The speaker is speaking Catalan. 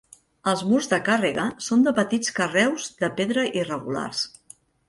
Els murs de càrrega són de petits carreus de pedra irregulars.